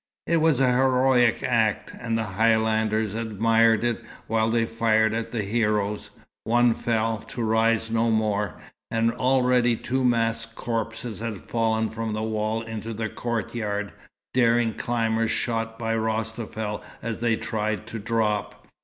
It was a heroic act, and the Highlanders admired it while they fired at the heroes. One fell, to rise no more, and already two masked corpses had fallen from the wall into the courtyard, daring climbers shot by Rostafel as they tried to drop.